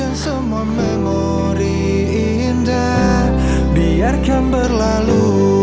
hanya membuat diriku terluka